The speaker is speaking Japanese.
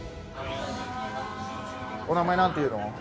お名前何ていうの？